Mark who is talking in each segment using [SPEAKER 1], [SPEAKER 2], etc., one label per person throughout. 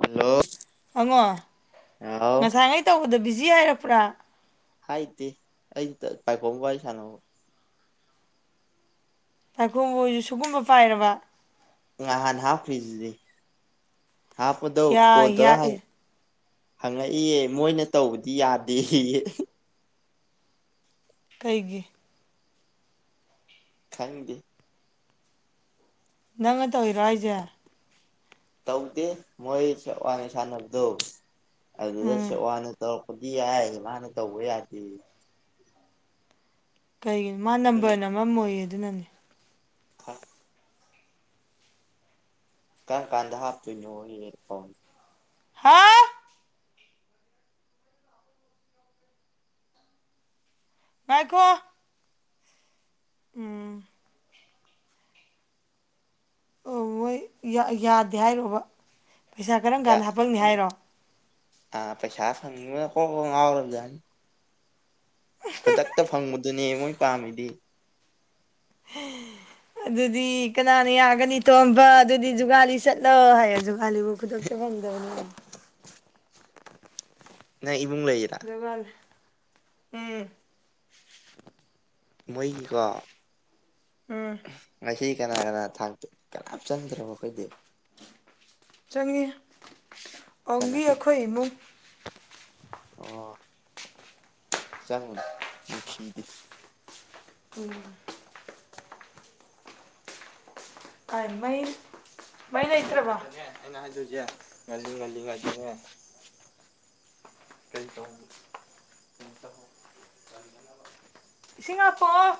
[SPEAKER 1] hello
[SPEAKER 2] ꯑꯪꯉꯣ
[SPEAKER 1] ꯍꯥꯎ
[SPEAKER 2] ꯉꯁꯥꯏ ꯑꯩ ꯇꯧꯕꯗ ꯕꯤꯖꯤ ꯍꯥꯏꯔꯛꯄ꯭ꯔꯥ
[SPEAKER 1] ꯍꯥꯏꯗꯦ ꯑꯩ ꯄꯥꯏꯈꯣꯝꯕꯒ ꯋꯥꯔꯤ ꯁꯥꯅꯕ
[SPEAKER 2] ꯄꯥꯏꯈꯣꯝꯕꯍꯣꯏꯁꯨ ꯁꯤꯨꯒꯨꯝꯕ ꯄꯥꯏꯔꯕ
[SPEAKER 1] ꯅꯍꯥꯟ ꯍꯥꯞꯈꯤꯗꯨꯗꯤ ꯍꯥꯞꯄꯗꯨ
[SPEAKER 2] ꯌꯥ
[SPEAKER 1] ꯀꯣꯜ ꯇꯧꯔ
[SPEAKER 2] ꯌꯥ ꯏ
[SPEAKER 1] ꯍꯪꯉꯨ ꯍꯪꯉꯛꯏꯌꯦ ꯃꯣꯏꯅ ꯇꯧꯕꯗꯤ ꯌꯥꯗꯦ
[SPEAKER 2] ꯀꯩꯒꯤ
[SPEAKER 1] ꯈꯪꯗꯦ
[SPEAKER 2] ꯅꯪꯅ ꯇꯧꯔꯤꯔꯣ ꯍꯥꯏꯔꯤꯁꯦ
[SPEAKER 1] ꯇꯧꯗꯦ ꯃꯣꯏ ꯁꯦꯛꯋꯥꯅ ꯁꯥꯅꯕꯗꯣ ꯑꯗꯨꯗ
[SPEAKER 2] ꯎꯝ
[SPEAKER 1] ꯁꯦꯛ ꯋꯥꯅ ꯇꯧꯔꯛꯄ ꯗꯤ ꯌꯥꯏ ꯃꯥꯅ ꯇꯧꯕ ꯌꯥꯗꯦ
[SPEAKER 2] ꯀꯩꯒꯤꯅꯣ ꯃꯥ ꯅꯝꯕꯔ ꯅꯝꯃꯝꯃꯣꯏꯌꯦ ꯑꯗꯨꯅꯅꯦ
[SPEAKER 1] ꯈ [unintelligible] ꯀꯔꯝ ꯀꯥꯟꯗ ꯍꯥꯞꯇꯣꯏꯅꯣꯌꯦ ꯐꯣꯟ
[SPEAKER 2] ꯍꯥ ꯉꯥꯏꯈꯣ ꯎꯝ ꯑꯣ ꯃꯣꯏ ꯌꯥꯗꯦ ꯍꯥꯏꯔꯣ ꯍꯥꯏꯕ ꯄꯩꯁꯥ ꯀꯔꯝ ꯀꯥꯟꯗ ꯍꯥꯄꯛꯅꯤ ꯍꯥꯏꯔꯣ
[SPEAKER 1] ꯑ ꯄꯩꯁꯥ ꯐꯪꯅꯤꯡꯕꯅ ꯃꯀꯣꯛ ꯉꯥꯎꯔꯕ ꯖꯥꯠꯅꯤ ꯈꯨꯗꯛꯇ ꯐꯪꯕꯗꯨꯅꯦ ꯃꯣꯏ ꯄꯥꯝꯃꯤꯗꯤ [inaudible]
[SPEAKER 2] ꯑꯗꯨꯗꯤ ꯀꯅꯥꯅ ꯌꯥꯒꯅꯤ ꯇꯣꯝꯕ ꯑꯗꯨꯗꯤ ꯖꯨꯒꯥꯥꯂꯤ ꯆꯠꯂꯣ ꯍꯥꯏꯌꯦ ꯖꯨꯒꯥꯥꯂꯤꯕꯨ ꯈꯨꯗꯛꯇ ꯐꯪꯗꯅꯤ
[SPEAKER 1] [inaudible] ꯅꯪ ꯏꯕꯨꯡ ꯂꯩꯔꯥ
[SPEAKER 2] ꯖꯨꯒꯥꯜꯂꯤꯜ ꯎꯝ
[SPEAKER 1] ꯃꯣꯏꯒꯤꯀꯣ
[SPEAKER 2] ꯎꯝ
[SPEAKER 1] ꯑꯁꯤ ꯀꯅꯥ ꯀꯅꯥ ꯊꯥꯛꯇꯣ ꯀꯅꯥꯝ ꯆꯪꯗ꯭ꯔꯣ ꯃꯈꯣꯏꯗꯤ
[SPEAKER 2] ꯆꯪꯉꯤ
[SPEAKER 1] ꯀꯅꯥ
[SPEAKER 2] ꯑꯣꯡꯂꯤ ꯑꯩꯈꯣꯏ ꯏꯃꯨꯡ
[SPEAKER 1] ꯑꯣ ꯆꯪꯉꯨꯅꯨ ꯅꯨꯡꯁꯤꯗꯦ
[SPEAKER 2] ꯎꯝ ꯑꯥꯏ ꯃꯩ ꯃꯩ ꯂꯩꯇ꯭ꯔꯕꯣ ꯑꯩꯅ ꯍꯥꯏꯗꯣꯏꯁꯦ ꯉꯜꯂꯤ ꯉꯜꯂꯤꯉꯧꯗꯅꯦ
[SPEAKER 1] [inaudible]
[SPEAKER 2] ꯀꯩ [unintelligible] ꯏꯁꯤꯡ ꯉꯥꯈꯣꯑꯣ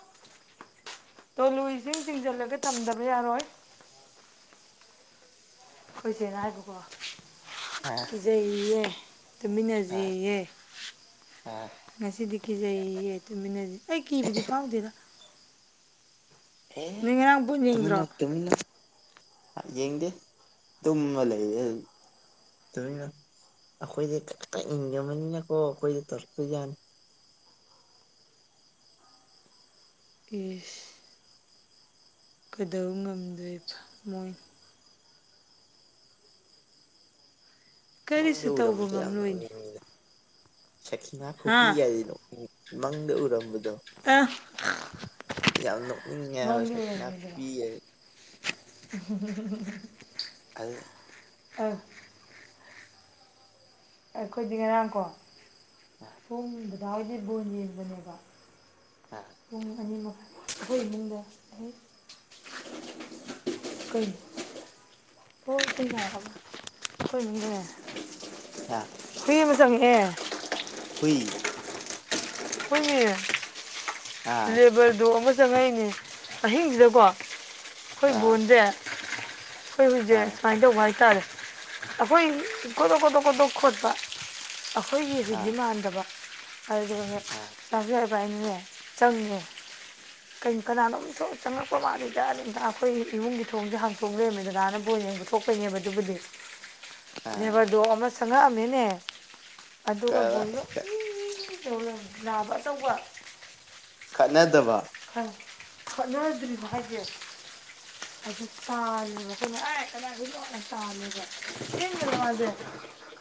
[SPEAKER 2] ꯇꯣꯂꯨ ꯏꯁꯤꯡ ꯆꯤꯡꯁꯤꯜꯂꯒ ꯊꯝꯗꯕ ꯌꯥꯔꯣꯏ ꯑꯩꯈꯣꯏ ꯆꯦꯅ ꯍꯥꯏꯕꯀꯣ
[SPEAKER 1] ꯑꯥ
[SPEAKER 2] ꯀꯤꯖꯩꯌꯦꯑꯦ
[SPEAKER 1] ꯑꯥ
[SPEAKER 2] ꯇꯨꯃꯤꯟꯅꯖꯦꯌꯦ
[SPEAKER 1] ꯑꯥ
[SPEAKER 2] ꯉꯁꯤꯗꯤ ꯀꯤꯖꯩꯌꯦꯑꯦ ꯇꯨꯃꯤꯟꯅꯁꯤ ꯑꯩ ꯀꯤꯕꯗꯤ ꯐꯥꯎꯗꯦꯗ
[SPEAKER 1] ꯑꯦ
[SPEAKER 2] ꯅꯣꯏ ꯉꯔꯥꯡ ꯕꯣꯜ ꯌꯦꯡꯗ꯭ꯔꯣ
[SPEAKER 1] ꯇꯃꯤꯟꯅꯧ ꯇꯨꯃꯤꯟꯅꯧ ꯌꯦꯡꯗꯦ ꯇꯨꯝꯃ ꯂꯩꯌꯦ ꯑꯗꯨꯝ ꯇꯨꯃꯤꯟꯅꯧ ꯑꯩꯈꯣꯏꯗꯤ ꯏꯟꯖꯃꯅꯤꯅꯀꯣ ꯑꯩꯈꯣꯏꯗꯤ ꯇꯧꯔꯛꯇꯣꯏꯖꯥꯅꯤ
[SPEAKER 2] ꯏꯁ ꯀꯗꯧ ꯉꯝꯗꯣꯏꯕ ꯃꯣꯏꯅ
[SPEAKER 1] ꯃꯪꯗ
[SPEAKER 2] ꯀꯔꯤꯁꯨ ꯇꯧꯕ
[SPEAKER 1] ꯎꯔꯝꯃꯕꯗꯣ ꯌꯥꯝ
[SPEAKER 2] ꯉꯝꯂꯣꯏꯅꯦ
[SPEAKER 1] ꯅꯪꯛꯅꯤꯡꯉꯤꯗ ꯁꯈꯤꯅꯥ
[SPEAKER 2] ꯍꯥ
[SPEAKER 1] ꯈꯨꯄꯤꯒꯗꯤ ꯅꯣꯛꯅꯤꯡꯉꯦ ꯃꯪꯗ ꯎꯔꯝꯕꯗꯣ
[SPEAKER 2] ꯑ
[SPEAKER 1] ꯌꯥꯝ ꯅꯤꯛꯅꯤꯡꯉꯦ ꯍꯥꯏꯕ
[SPEAKER 2] ꯃꯪꯗ
[SPEAKER 1] ꯁꯈꯤꯅꯥ ꯈꯨꯄꯤꯒꯗꯤ
[SPEAKER 2] ꯍꯨꯡ ꯍꯨꯡ ꯍꯨꯡ ꯍꯨꯡ
[SPEAKER 1] ꯑꯜ
[SPEAKER 2] ꯑꯧ ꯑꯩꯈꯣꯏꯗꯤ ꯉꯔꯥꯡꯀꯣ ꯄꯨꯡ ꯗꯥꯗꯥ ꯍꯣꯏꯗꯤ ꯕꯣꯟ ꯌꯦꯡꯕꯅꯦꯕ
[SPEAKER 1] ꯑꯥ
[SPEAKER 2] ꯄꯨꯡ ꯑꯅꯤ ꯃꯈꯥꯏ ꯑꯩꯈꯣꯏ ꯏꯃꯨꯡꯗ ꯑꯩ ꯀꯩꯅꯣ [inaudible] [unintelligible]
[SPEAKER 1] ꯑꯥ
[SPEAKER 2] ꯃꯤ ꯑꯃ ꯆꯪꯉꯤꯍꯦ
[SPEAKER 1] ꯍꯨꯏ
[SPEAKER 2] ꯍꯣꯏꯅꯦ
[SPEAKER 1] ꯑꯥ
[SPEAKER 2] ꯂꯦꯕꯔ ꯗꯣꯛ ꯑꯃ ꯆꯪꯉꯛꯅꯦ ꯑꯍꯤꯡꯁꯤꯗꯀꯣ ꯑꯩꯈꯣꯏ
[SPEAKER 1] ꯑꯥ
[SPEAKER 2] ꯕꯣꯟꯁꯦ ꯑꯩꯈꯣꯏ ꯍꯨꯏꯁꯦ
[SPEAKER 1] ꯑꯥ
[SPEAKER 2] ꯁꯨꯃꯥꯏ ꯇꯧꯕ ꯍꯥꯏ ꯍꯥꯏꯇꯥꯔꯦ ꯑꯩꯈꯣꯏ ꯀꯣꯗꯣꯛ ꯀꯣꯗꯣꯛ ꯀꯣꯗꯣꯛ ꯈꯣꯠꯄ ꯑꯩꯈꯣꯏꯒꯤ
[SPEAKER 1] ꯑꯥ
[SPEAKER 2] ꯍꯨꯏꯗꯤ ꯃꯥꯟꯗꯕ
[SPEAKER 1] ꯑꯥ
[SPEAKER 2] ꯑꯗꯨꯒ [unintelligible] ꯕꯥꯏꯅꯦ ꯆꯪꯉꯦ ꯀꯩ ꯀꯅꯥꯅꯣꯝ ꯊꯣꯛꯑꯒ ꯆꯪꯉꯛꯄ ꯃꯥꯜꯂꯤꯗ ꯑꯩꯈꯣꯏ ꯏꯃꯨꯡꯒꯤ ꯊꯣꯡꯁꯦ ꯍꯥꯡꯇꯣꯛ ꯂꯩꯔꯝꯃꯦ ꯗꯗꯥꯅ ꯕ ꯌꯦꯡꯕ ꯊꯣꯛꯄꯩꯅꯦꯕ ꯑꯗꯨꯕꯨꯗꯤ
[SPEAKER 1] ꯑꯥ
[SPEAKER 2] ꯂꯦꯚꯔꯗꯣꯛ ꯑꯃ ꯆꯪꯉꯛꯑꯝꯃꯦꯅꯦ ꯑꯗꯨꯒ
[SPEAKER 1] ꯀꯔꯥꯏ
[SPEAKER 2] ꯕꯣꯜꯗꯣ ꯏ ꯏ ꯏ ꯂꯥꯕ ꯑꯆꯧꯕ
[SPEAKER 1] ꯈꯠꯅꯗꯕ
[SPEAKER 2] ꯈꯠ ꯈꯠꯅꯗ꯭ꯔꯤꯕ ꯍꯥꯏꯁꯦ ꯑꯗꯨ ꯇꯥꯟꯕ ꯃꯇꯨꯡꯗ ꯑꯦ ꯀꯥꯅꯒꯤ ꯍꯨꯏꯅꯣ ꯇꯥꯜꯂꯦꯕ ꯆꯦꯟꯈ꯭ꯔꯦ ꯃꯥꯁꯦ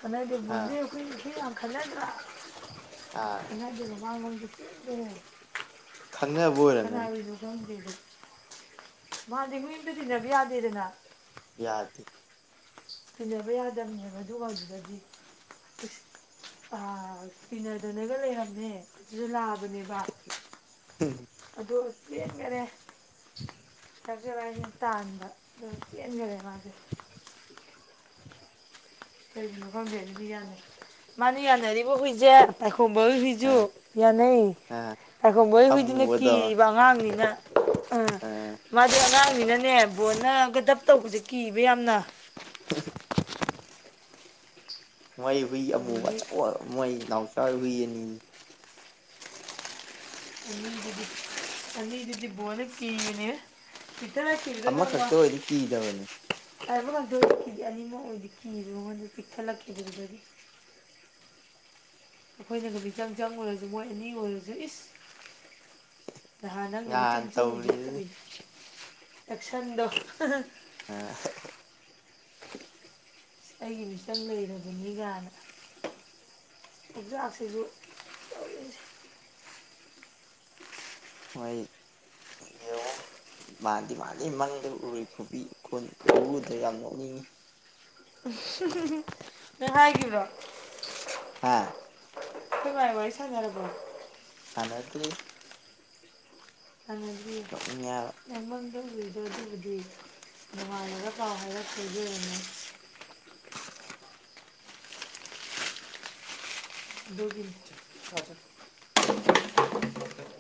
[SPEAKER 2] ꯑꯗꯩꯗꯤ ꯕꯣꯟꯖꯦ
[SPEAKER 1] ꯑꯥ
[SPEAKER 2] ꯑꯩꯈꯣꯏ ꯍꯨꯏ ꯌꯥꯝ ꯈꯟꯖꯗ꯭ꯔꯥ
[SPEAKER 1] ꯑꯥ
[SPEAKER 2] ꯈꯠꯅꯗꯦꯕ ꯃꯉꯣ [unintelligible]
[SPEAKER 1] ꯈꯪꯅꯕ ꯑꯣꯏꯔꯝꯒꯅꯤ
[SPEAKER 2] ꯀꯅꯥꯒꯤ ꯍꯨꯏꯅꯣ ꯈꯪꯗꯦꯕ ꯃꯥꯗꯤ ꯍꯨꯏ ꯑꯃꯇꯥ ꯇꯤꯟꯅꯕ ꯌꯥꯗꯦꯗꯅ
[SPEAKER 1] ꯌꯥꯗꯦ
[SPEAKER 2] ꯇꯤꯟꯅꯕ ꯌꯥꯗꯕꯅꯦꯕ ꯑꯗꯨꯒ [unintelligible] ꯑꯥ ꯊꯤꯅꯗꯅꯒ ꯂꯩꯔꯝꯃꯦ ꯑꯗꯣ ꯂꯥꯕ ꯕꯅꯦꯕ ꯑꯗꯣ ꯆꯦꯟꯈ꯭ꯔꯦ [unintelligible] ꯇꯥꯟꯕ ꯑꯗꯨ ꯆꯦꯟꯈ꯭ꯔꯦ ꯃꯥꯁꯦ ꯀꯩꯒꯤꯅꯣ ꯈꯪꯗꯦ [unintelligible] ꯃꯥꯅ ꯌꯥꯅꯔꯤꯕ ꯍꯨꯏꯖꯦ ꯄꯥꯏꯈꯣꯝꯕ ꯍꯣꯏ ꯍꯨꯏꯁꯨ
[SPEAKER 1] ꯑꯥ
[SPEAKER 2] ꯌꯥꯅꯩ
[SPEAKER 1] ꯑꯥ
[SPEAKER 2] ꯄꯥꯢꯈꯣꯝꯕ ꯍꯣꯏ ꯍꯨꯏꯗꯤꯅꯦ
[SPEAKER 1] ꯑꯃꯨꯕꯗꯣ
[SPEAKER 2] ꯀꯤꯔꯤꯕ ꯑꯉꯥꯡꯅꯤꯅ ꯑꯝ
[SPEAKER 1] ꯑꯥ
[SPEAKER 2] ꯃꯥꯗꯤ ꯑꯉꯥꯡꯅꯤꯅꯅꯦ ꯕꯣꯟꯅꯒ ꯙꯞ ꯇꯧꯕꯁꯦ ꯀꯤꯕ ꯌꯥꯝꯅ
[SPEAKER 1] [inaudible] ꯃꯣꯏ ꯍꯨꯏ ꯑꯃꯨꯕ
[SPEAKER 2] ꯑꯗꯒꯤ
[SPEAKER 1] ꯑꯆꯧꯕ ꯃꯣꯏ ꯅꯥꯎꯆꯥ ꯍꯣꯏ ꯍꯨꯏ ꯑꯅꯤ
[SPEAKER 2] ꯑꯅꯤꯗꯨꯗꯤ ꯑꯅꯤꯗꯨꯗꯤ ꯕꯣꯟꯅ ꯀꯤꯔꯤꯅꯦꯍꯦ ꯆꯦꯜꯂꯛꯈꯤꯕꯗꯣ ꯅꯣꯡꯃ
[SPEAKER 1] ꯑꯃꯈꯛꯇ ꯑꯣꯏꯗꯤ ꯀꯤꯗꯕꯅꯤ
[SPEAKER 2] [unintelligible] ꯀꯤ ꯑꯅꯤꯃꯛ ꯑꯣꯏꯗꯤ ꯀꯤꯗ ꯃꯉꯣꯟꯗ ꯆꯤꯛꯊꯠꯂꯛꯈꯤꯕꯗꯒꯤ ꯑꯩꯈꯣꯏꯅꯒ ꯃꯤꯆꯪ ꯆꯪꯉꯨꯔꯁꯨ ꯃꯣꯏ ꯑꯅꯤ ꯑꯣꯏꯔꯁꯨ ꯏꯁ ꯅꯍꯥꯟ ꯅꯪꯅ
[SPEAKER 1] ꯉꯍꯥꯟ
[SPEAKER 2] ꯃꯤꯆꯪ ꯆꯪꯉꯨꯕꯩ
[SPEAKER 1] ꯇꯧꯔꯤꯗꯨꯗꯤ
[SPEAKER 2] ꯇꯧꯋꯤꯗꯨꯗꯤ ꯑꯦꯛꯁꯟꯗꯣ
[SPEAKER 1] ꯑ
[SPEAKER 2] ꯑꯩꯒꯤ ꯃꯤꯆꯪ ꯂꯩꯔꯕꯅꯤ ꯒꯥꯢꯅ [unintelligible] ꯁꯤꯁꯨ
[SPEAKER 1] ꯍꯣꯢ ꯌꯦꯡꯉꯣ ꯃꯥꯥꯟꯗꯤ ꯃꯥꯜꯂꯤ ꯃꯪꯗ ꯎꯔꯨ ꯈꯨꯕꯤ ꯈꯨ ꯈꯨꯎꯗꯣ ꯌꯥꯝ ꯅꯣꯛꯅꯤꯡꯉꯤ
[SPEAKER 2] ꯅꯪ ꯍꯥꯏꯒꯤꯕ꯭ꯔꯣ
[SPEAKER 1] ꯍꯥ
[SPEAKER 2] ꯈꯣꯢ ꯃꯥꯗꯤ ꯋꯥꯔꯤ ꯁꯥꯅꯔꯕꯣ
[SPEAKER 1] ꯁꯥꯟꯅꯗ꯭ꯔꯤ ꯅꯣꯛꯅꯤꯡꯉꯦ ꯍꯥꯢꯕ
[SPEAKER 2] ꯈꯪꯗ꯭ꯔꯤꯗ ꯑꯗꯨꯕꯨꯗꯤ ꯅꯨꯡꯉꯥꯜꯂꯒ ꯄꯥꯎ ꯍꯥꯏꯔꯛꯇꯣꯢꯗꯤ ꯑꯣꯢꯔꯝꯅꯤ
[SPEAKER 1] [inaudible]
[SPEAKER 2] ꯑꯗꯨꯒꯤꯅꯦ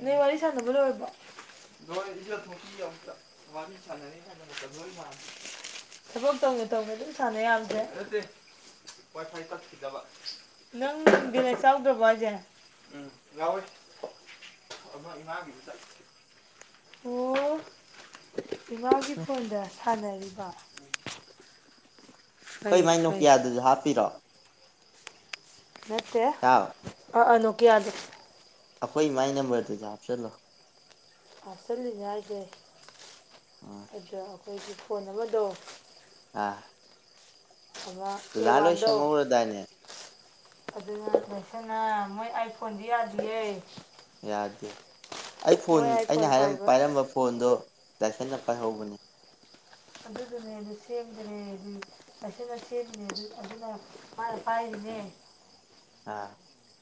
[SPEAKER 2] ꯅꯣꯏ ꯋꯥꯔꯤ ꯁꯥꯟꯅꯕ ꯂꯣꯏꯔꯕꯣ ꯂꯣꯏꯔꯦ ꯏꯖꯊꯣꯛꯈꯤꯒꯦ ꯑꯃꯨꯛꯇ ꯋꯥꯔꯤ ꯁꯥꯟꯅꯔꯤꯉꯩꯗ ꯃꯇꯝ ꯂꯣꯢ ꯃꯥꯡꯉꯦ ꯊꯕꯛ ꯇꯧꯅ ꯇꯧꯅ ꯑꯗꯨꯝ ꯁꯥꯟꯅ ꯌꯥꯕꯖꯦ ꯋꯥꯢ ꯐꯥꯢ ꯇꯠꯈꯤꯗꯕ ꯅꯪ ꯅꯡ ꯕꯦꯂꯦꯟꯁ ꯌꯥꯎꯗ꯭ꯔꯕꯣ ꯍꯥꯢꯁꯦ ꯎꯝ ꯌꯥꯎꯏ ꯑꯃ ꯏꯃꯥꯒꯤꯗꯨꯗꯥ ꯑꯣ ꯏꯃꯥꯒꯤ ꯐꯣꯟꯗ ꯁꯥꯟꯅꯔꯤꯕ
[SPEAKER 1] ꯑꯩꯈꯣꯢ
[SPEAKER 2] ꯐꯩ
[SPEAKER 1] ꯢꯃꯥꯒꯤ
[SPEAKER 2] ꯐꯩ
[SPEAKER 1] ꯅꯣꯀꯤꯌꯥꯗꯨꯁꯨ ꯍꯥꯞꯄꯤꯔꯣ
[SPEAKER 2] ꯅꯇꯦ
[SPEAKER 1] ꯏꯇꯥꯎ
[SPEAKER 2] ꯑꯥ ꯑ ꯅꯣꯀꯤꯌꯥꯗꯦ
[SPEAKER 1] ꯑꯩꯈꯣꯏ ꯏꯃꯥꯏ ꯅꯝꯕꯔꯗꯨꯗ ꯍꯥꯞꯆꯤꯜꯂꯣ
[SPEAKER 2] ꯍꯥꯞꯆꯤꯜꯂꯤꯅꯦ ꯍꯥꯏꯁꯦ
[SPEAKER 1] ꯑꯥ
[SPEAKER 2] ꯑꯗ ꯑꯩꯈꯣꯏꯒꯤ ꯐꯣꯟ ꯑꯃꯗꯣ
[SPEAKER 1] ꯑꯥ
[SPEAKER 2] ꯑꯃ
[SPEAKER 1] ꯗꯗꯥ ꯂꯣꯏ
[SPEAKER 2] ꯑꯦꯋꯥꯟꯗꯣ
[SPEAKER 1] ꯁꯦꯝꯍꯧꯔꯗꯥꯏꯅꯦ
[SPEAKER 2] ꯑꯗꯨꯅ [unintelligible] ꯃꯣꯏ ꯑꯥꯏ ꯐꯣꯟꯖꯤ ꯌꯥꯗꯤꯌꯦ
[SPEAKER 1] ꯌꯥꯗꯦ ꯑꯩ ꯐꯣꯟ
[SPEAKER 2] ꯃꯣꯏ
[SPEAKER 1] ꯑꯩꯅ
[SPEAKER 2] ꯑꯥꯏꯐꯣꯟ
[SPEAKER 1] ꯍꯥꯢꯔꯞ
[SPEAKER 2] ꯄꯥꯏꯕ
[SPEAKER 1] ꯄꯥꯏꯔꯝꯕ ꯐꯣꯟꯗꯣ ꯇꯥꯢꯁꯟꯅ ꯄꯥꯏꯍꯧꯕꯅꯤ
[SPEAKER 2] ꯑꯗꯨꯗꯨꯅꯦꯕ ꯁꯦꯝꯒ꯭ꯔꯦ ꯑꯗꯨ ꯇꯥꯢꯁꯟꯅ ꯁꯦꯝꯃꯤꯅꯦ ꯑꯗꯨ ꯑꯗꯨꯅ ꯃꯥꯅ ꯄꯥꯏꯔꯤꯅꯦ
[SPEAKER 1] ꯑꯥ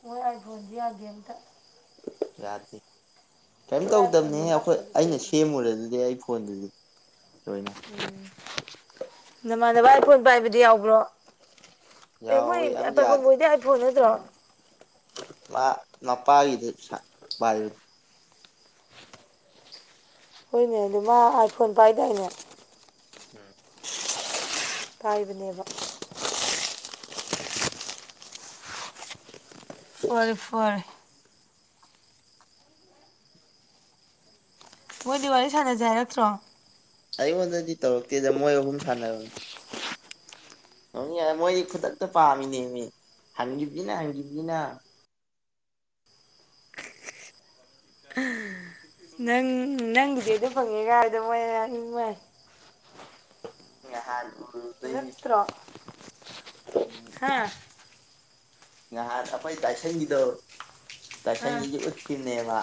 [SPEAKER 2] ꯃꯣꯏ ꯑꯥꯏꯐꯣꯟꯁꯤ ꯌꯥꯗꯦ ꯑꯝꯇ
[SPEAKER 1] ꯌꯥꯗꯦ ꯀꯩꯝ
[SPEAKER 2] ꯃꯣꯏ ꯑꯥꯏꯐꯣꯟꯗꯤ
[SPEAKER 1] ꯇꯧꯗꯕꯅꯦꯍꯦ ꯑꯩꯈꯣꯏ
[SPEAKER 2] ꯍꯥꯞꯄꯗꯤ
[SPEAKER 1] ꯑꯩꯅ
[SPEAKER 2] ꯆꯤꯡꯉꯦ
[SPEAKER 1] ꯁꯦꯝꯃꯨꯔꯦ ꯑꯗꯨꯗꯤ ꯑꯩ ꯐꯣꯟꯗꯨꯗꯤ ꯂꯣꯏꯅ
[SPEAKER 2] ꯎꯝ ꯅꯃꯥꯟꯅꯕ ꯑꯥꯢꯐꯣꯟ ꯄꯥꯏꯕꯗꯤ ꯌꯥꯎꯕ꯭ꯔꯣ ꯑꯦ ꯃꯣꯏ
[SPEAKER 1] ꯌꯥꯎꯋꯦ ꯌꯥꯝ
[SPEAKER 2] ꯑ ꯄꯥꯢꯈꯣꯝꯕ
[SPEAKER 1] ꯌꯥꯗꯦ
[SPEAKER 2] ꯍꯣꯢꯗꯤ ꯑꯥꯏ ꯐꯣꯟ ꯅꯠꯇ꯭ꯔꯣ
[SPEAKER 1] ꯃꯥ ꯃꯄꯥꯒꯤꯗꯩ ꯁꯔꯥ ꯄꯥꯢꯕꯅꯦ
[SPEAKER 2] ꯍꯣꯏꯅꯦ ꯑꯗꯨ ꯃꯥ ꯑꯥꯏꯐꯣꯟ ꯄꯥꯏꯗꯥꯏꯅꯦ
[SPEAKER 1] ꯎꯝ
[SPEAKER 2] ꯄꯥꯢꯕꯅꯦꯕ ꯐꯔꯦ ꯐꯔꯦ ꯃꯣꯏꯗꯤ ꯋꯥꯔꯤ ꯁꯥꯅꯁꯦ ꯍꯥꯏꯔꯛꯇ꯭ꯔꯣ
[SPEAKER 1] ꯑꯩꯉꯣꯟꯗꯗꯤ ꯇꯧꯔꯛꯇꯦꯗ ꯃꯣꯏ ꯑꯍꯨꯝ ꯁꯥꯅꯕꯅꯦ ꯃꯣꯏꯗꯤ ꯈꯨꯗꯛꯇ ꯄꯥꯝꯃꯤꯅꯦꯃꯤ ꯍꯪꯈꯤꯕꯁꯤꯅ ꯍꯪꯈꯤꯕꯁꯤꯅ
[SPEAKER 2] ꯅꯪ ꯅꯪꯒꯤꯗꯤ ꯑꯗꯨ ꯐꯪꯉꯦ ꯍꯥꯏꯕꯗ ꯃꯣꯏ ꯉꯛꯄꯋꯅꯤ
[SPEAKER 1] ꯅꯍꯥꯟ ꯎꯔꯨꯕꯗꯩꯅꯤ ꯎꯝ
[SPEAKER 2] ꯍꯥ
[SPEAKER 1] ꯅꯍꯥꯟ ꯑꯩꯈꯣꯏ ꯇꯥꯏꯁꯟꯒꯤꯗꯣ
[SPEAKER 2] ꯑꯥ
[SPEAKER 1] ꯇꯥꯏꯁꯟꯒꯤꯗꯤ ꯎꯠꯄꯤꯅꯦꯕ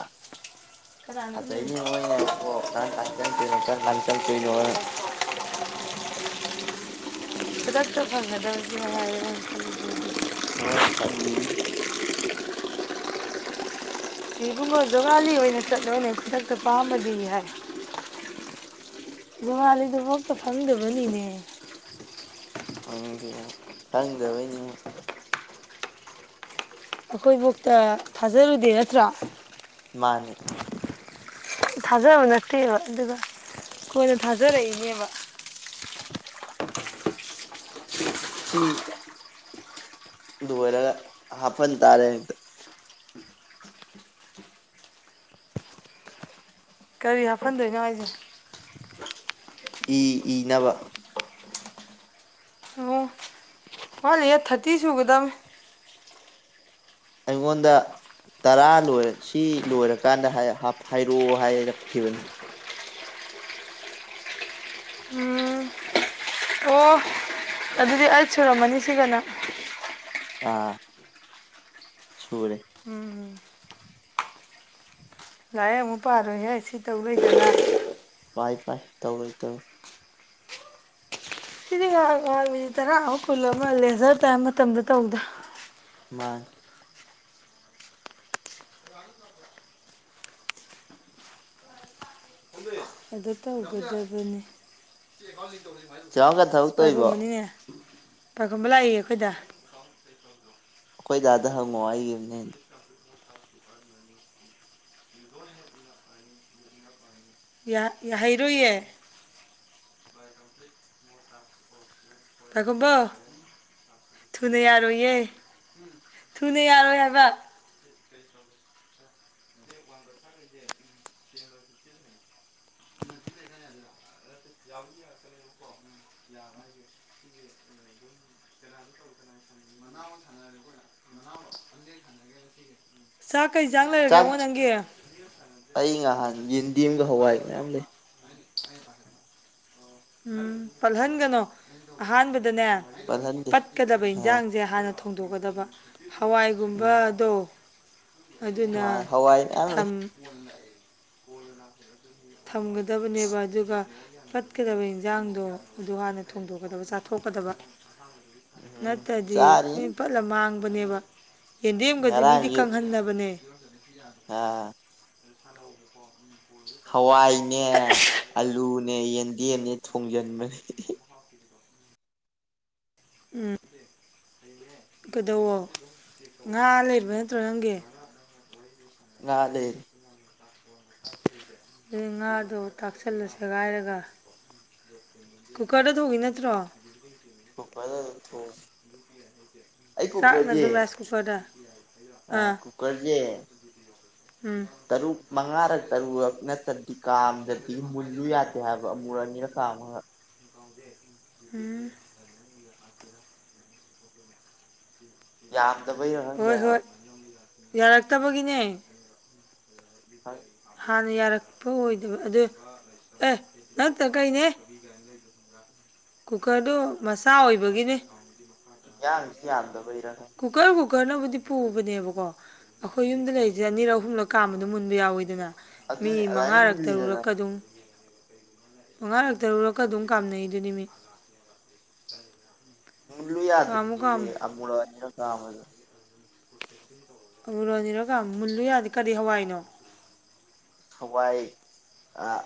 [SPEAKER 2] ꯀꯅꯥꯅꯣ ꯎꯠꯂꯤꯕ
[SPEAKER 1] ꯑꯗꯩꯗꯤ ꯃꯣꯏꯅ ꯀꯣ ꯀꯔꯝꯀꯥꯟ ꯆꯪꯂꯛꯇꯣꯏꯅꯣ ꯀꯔꯝꯀꯥꯟ ꯆꯪꯂꯛꯇꯣꯏꯅꯣ ꯍꯥꯏꯅ [inaudible]
[SPEAKER 2] ꯈꯨꯗꯛꯇ ꯐꯪꯒꯗꯧꯁꯤ ꯃꯉꯥꯏꯔꯦ
[SPEAKER 1] ꯃꯣꯏꯅ ꯈꯜꯂꯤ
[SPEAKER 2] ꯏꯕꯨꯉꯣ ꯖꯨꯒꯥꯂꯤ ꯑꯣꯏꯅ ꯆꯠꯂꯣꯅꯦ ꯈꯨꯗꯛꯇ ꯄꯥꯃꯕꯗꯤ ꯖꯨꯒꯂꯤꯗꯨ ꯐꯥꯎꯕ ꯐꯪꯗꯕꯅꯤꯅꯦ
[SPEAKER 1] ꯈꯪꯗꯕꯒꯤꯅꯦ
[SPEAKER 2] ꯑꯩꯈꯣꯏꯐꯥꯎꯇ ꯊꯥꯖꯔꯨꯗꯦ ꯅꯠꯇ꯭ꯔꯥ
[SPEAKER 1] ꯃꯥꯅꯤ
[SPEAKER 2] ꯊꯥꯖꯕ ꯅꯠꯇꯦꯕ ꯑꯗꯨꯒ ꯀꯣꯏꯅ ꯊꯥꯖꯔꯛꯏꯅꯦꯕ
[SPEAKER 1] ꯁꯤ ꯂꯣꯏꯔ ꯍꯐꯟ ꯇꯥꯔꯦ
[SPEAKER 2] ꯀꯔꯤ ꯍꯥꯞꯐꯟꯗꯣꯏꯅꯣ ꯍꯥꯏꯁꯦ
[SPEAKER 1] ꯏ ꯏꯅꯕ
[SPEAKER 2] ꯑꯣ ꯋꯥꯠꯂꯤꯌꯦ ꯊꯥꯔꯇꯤ ꯁꯨꯒꯗꯧꯕꯅꯤ
[SPEAKER 1] ꯑꯩꯉꯣꯟꯗ ꯇꯔꯥ ꯂꯣꯏꯔꯒ ꯁꯤ ꯂꯣꯏꯔꯀꯥꯟꯗ ꯍꯥꯏꯔꯛꯑꯣ ꯍꯥꯏꯔꯛꯈꯤꯕꯅꯤ
[SPEAKER 2] ꯎꯝ ꯑꯣ ꯑꯗꯨꯗꯤ ꯑꯩꯠ ꯁꯨꯔꯝꯃꯅꯤ ꯁꯤꯒꯅ
[SPEAKER 1] ꯑꯥ ꯁꯨꯔꯦ
[SPEAKER 2] ꯎꯝ ꯂꯥꯛꯔꯤꯛ ꯑꯃꯨꯛ ꯄꯥꯔꯣꯏꯌꯦ ꯁꯤ ꯇꯧ ꯂꯩꯗꯅ
[SPEAKER 1] ꯐꯥꯏ ꯐꯥꯏ ꯇꯧꯔꯣꯏ ꯇꯧꯔꯣꯏ
[SPEAKER 2] ꯁꯤꯗꯤ ꯉꯥꯏꯍꯥꯛ ꯉꯥꯏꯍꯥꯛ ꯃꯤꯅꯤꯠ ꯇꯔꯥ ꯑꯃ ꯀꯨꯜ ꯑꯃ ꯂꯦꯖꯔ ꯇꯥꯏꯝ ꯃꯇꯝꯗ ꯇꯧ [unintelligible]
[SPEAKER 1] ꯃꯥꯅꯦ
[SPEAKER 2] ꯑꯗꯨ ꯇꯧꯒꯗꯕꯅꯦ [unintelligible]
[SPEAKER 1] ꯆꯦꯔꯥꯎꯀ ꯊꯕꯛ
[SPEAKER 2] [unintelligible]
[SPEAKER 1] ꯇꯧꯔꯤꯕꯣ
[SPEAKER 2] ꯄꯥꯏꯈꯣꯝꯕꯅꯤꯅꯦ ꯄꯥꯏꯈꯣꯝꯕ ꯂꯥꯛꯏꯌꯦ ꯑꯩꯈꯣꯏꯗ
[SPEAKER 1] ꯑꯈꯣꯏ ꯗꯥꯗ ꯍꯪꯉꯣ ꯑꯩꯒꯤ [unintelligible]
[SPEAKER 2] ꯌꯥ ꯌꯥ ꯍꯩꯔꯣꯏꯌꯦ ꯄꯥꯈꯣꯝꯕ ꯊꯨꯅ ꯌꯥꯔꯣꯏꯌꯦ ꯊꯨꯅ ꯌꯥꯔꯣꯏ ꯍꯥꯏꯕ ꯆꯥꯛ ꯀꯩ ꯆꯥꯡ ꯂꯩꯔꯒꯦꯉꯣ
[SPEAKER 1] ꯆꯥꯛꯆ
[SPEAKER 2] ꯅꯪꯒꯤ
[SPEAKER 1] ꯑꯩ ꯉꯍꯥꯟ ꯌꯦꯟꯗꯦꯝꯒ ꯍꯋꯥꯏ ꯃꯌꯥꯝ ꯂꯩ
[SPEAKER 2] ꯎꯝ ꯄꯠꯍꯜꯒꯅꯣ ꯑꯍꯥꯟꯕ ꯗꯅꯦ
[SPEAKER 1] ꯄꯜꯍꯟꯗꯦ
[SPEAKER 2] ꯄꯠꯀꯗꯕ
[SPEAKER 1] ꯑꯥ
[SPEAKER 2] ꯏꯟꯖꯥꯡꯁꯦ ꯍꯥꯟꯅ ꯊꯣꯡꯗꯣꯛꯀꯗꯕ
[SPEAKER 1] ꯎꯝ
[SPEAKER 2] ꯍꯋꯥꯏꯒꯨꯝꯕꯥꯗꯣ ꯑꯗꯨꯅ
[SPEAKER 1] ꯍꯋꯥꯏ ꯃꯌꯥꯝ
[SPEAKER 2] ꯊꯝ
[SPEAKER 1] ꯂꯩ
[SPEAKER 2] ꯊꯝꯒꯗꯕꯅꯦꯕꯥ ꯑꯗꯨꯒ ꯄꯠꯀꯗꯕ ꯏꯟꯖꯥꯡꯗꯣ ꯑꯗꯨ ꯍꯥꯟꯅ ꯊꯣꯡꯗꯣꯛꯀꯗꯕ ꯆꯥꯊꯣꯛꯀꯗꯕ
[SPEAKER 1] ꯎꯝ
[SPEAKER 2] ꯅꯠꯇꯗꯤ
[SPEAKER 1] ꯆꯥꯔꯤ
[SPEAKER 2] ꯂꯣꯏ ꯄꯠꯂ ꯃꯥꯡꯕꯅꯦꯕ ꯌꯦꯟꯗꯦꯝꯒꯁꯦ ꯃꯤꯗꯤ
[SPEAKER 1] ꯉꯔꯥꯡꯒꯤ
[SPEAKER 2] ꯀꯪꯍꯟꯅꯕꯅꯦ
[SPEAKER 1] ꯑꯥ ꯍꯋꯥꯏꯅꯦ ꯑꯂꯨꯅꯦ ꯌꯦꯟꯗꯦꯝꯅꯦ ꯊꯣꯡꯖꯤꯟꯕ [unintelligible]
[SPEAKER 2] ꯎꯝ ꯀꯩꯗꯧꯋꯣ ꯉꯥ ꯂꯩꯕ ꯅꯠꯇ꯭ꯔꯣ ꯅꯪꯒꯤ
[SPEAKER 1] ꯉꯥꯂꯦ
[SPEAKER 2] ꯎꯝ ꯉꯥꯗꯣ ꯊꯥꯛꯆꯜꯂꯣ ꯁꯦꯒꯥꯏꯔꯒ ꯀꯨꯀ꯭ꯔꯗ ꯊꯣꯡꯉꯤ ꯅꯠꯇ꯭ꯔꯣ
[SPEAKER 1] ꯀꯨꯀ꯭ꯔꯗ ꯑꯗꯨꯝ ꯊꯣꯡ
[SPEAKER 2] ꯆꯥꯛꯅ ꯑꯗꯨꯝ ꯔꯥꯏꯁ ꯀꯨꯀ꯭ꯔꯗ ꯑꯥ
[SPEAKER 1] ꯀꯨꯀꯔꯁꯦ
[SPEAKER 2] ꯎꯝ
[SPEAKER 1] ꯇꯔꯨꯛ ꯃꯉꯥꯔꯛ ꯇꯔꯨꯔꯛ ꯅꯠꯇ꯭ꯔꯗꯤ ꯀꯥꯝꯗꯗꯤ ꯃꯨꯜꯂꯨ ꯌꯥꯗꯦ ꯍꯥꯏꯕ ꯑꯃꯨꯔꯛ ꯑꯅꯤꯔꯛ ꯀꯥꯝꯃꯒ [inaudible]
[SPEAKER 2] ꯎꯝ
[SPEAKER 1] ꯌꯥꯝꯗꯕꯩꯔ
[SPEAKER 2] ꯍꯣꯏ ꯍꯣꯏ
[SPEAKER 1] ꯈꯪꯗꯦꯍꯥꯏꯕ
[SPEAKER 2] ꯌꯥꯔꯛꯇꯕꯒꯤꯅꯦ
[SPEAKER 1] [unintelligible]
[SPEAKER 2] ꯍꯥꯟꯅ ꯌꯥꯔꯛꯄ ꯑꯣꯏꯗꯕ ꯑꯗꯨ ꯑꯦ ꯅꯠꯇ ꯀꯩ [unintelligible] ꯀꯨꯀ꯭ꯔꯗꯨ ꯃꯆꯥ ꯑꯣꯏꯕꯒꯤꯅꯦ
[SPEAKER 1] [unintelligible] ꯌꯥꯝꯗꯕꯩꯔ ꯈꯪꯗꯦ
[SPEAKER 2] ꯀꯨꯀ꯭ꯔꯅꯕꯨꯗꯤ ꯄꯨꯕꯅꯦꯕꯀꯣ ꯑꯈꯣꯏ ꯌꯨꯝꯗ ꯂꯩꯔꯤꯖꯦ ꯑꯅꯤꯔꯛ ꯑꯍꯨꯝꯂꯛ ꯀꯥꯝꯕꯗ ꯃꯨꯟꯕ ꯌꯥꯎꯋꯤꯗꯅ ꯃꯤ
[SPEAKER 1] ꯑꯗꯨꯅꯤ ꯑꯗꯨꯃꯥꯏꯅ
[SPEAKER 2] ꯃꯉꯥꯔꯛ
[SPEAKER 1] ꯃꯨꯜꯂꯤꯗꯅ
[SPEAKER 2] ꯇꯔꯨꯔꯛꯀ ꯑꯗꯨꯝ ꯃꯉꯥꯔꯛ ꯇꯔꯨꯔꯛꯀ ꯑꯗꯨꯝ ꯀꯥꯝꯅꯩꯗꯨꯅꯤ ꯃꯤ
[SPEAKER 1] ꯃꯨꯜꯂꯨ
[SPEAKER 2] ꯀꯥꯝꯃꯨ
[SPEAKER 1] ꯌꯥꯗ꯭ꯔꯤꯅꯦꯃꯦ
[SPEAKER 2] ꯀꯥꯝꯃꯨ
[SPEAKER 1] ꯑꯃꯨꯔꯛ ꯑꯅꯤꯔꯛ ꯀꯥꯝꯕꯗ
[SPEAKER 2] ꯑꯃꯨꯔꯛ ꯑꯅꯤꯔꯛ ꯀꯥꯝ ꯃꯨꯜꯂꯨ ꯌꯥꯗꯦ ꯀꯔꯤ ꯍꯋꯥꯏꯅꯣ
[SPEAKER 1] ꯍꯋꯥꯏ ꯑꯥ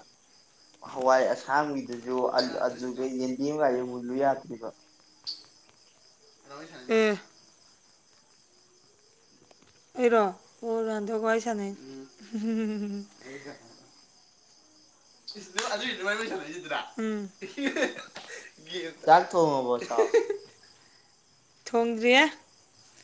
[SPEAKER 1] ꯍꯋꯥꯏ ꯑꯁꯥꯡꯕꯤꯗꯨ ꯖꯨ [unintelligible] ꯑꯗꯨꯒ ꯌꯦꯟꯗꯦꯝꯒꯥꯏꯖꯨ ꯃꯨꯜꯂꯨ ꯌꯥꯗ꯭ꯔꯤꯕ
[SPEAKER 2] ꯎꯝ ꯑꯩꯔꯣ ꯑꯣ ꯔꯣꯅꯥꯟꯗꯣꯒ ꯋꯥꯔꯤ ꯁꯥꯟꯅꯩꯅꯦ ꯑꯗꯨꯒꯤꯗꯨꯃꯥꯏ ꯁꯥꯟꯅꯒꯤꯗꯨꯔ ꯎꯝ ꯑꯍꯦꯛ ꯍꯦꯛ
[SPEAKER 1] ꯆꯥꯛ ꯊꯣꯡꯉꯕꯣ ꯏꯇꯥꯎ
[SPEAKER 2] [unintelligible] ꯊꯣꯡꯗ꯭ꯔ꯭ꯍꯦ